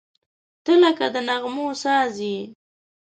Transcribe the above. • ته لکه د نغمو ساز یې.